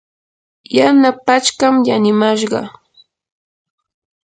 yana pachkam kanimashqa.